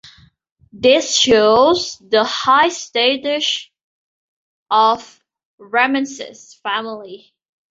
This shows the high status of Ramesses' family.